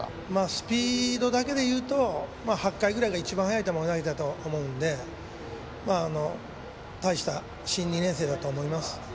スピードだけでいうと８回くらいが一番速い球を投げていたと思うので大した新２年生だと思います。